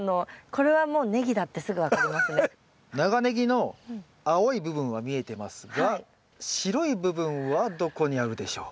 長ネギの青い部分は見えてますが白い部分はどこにあるでしょう？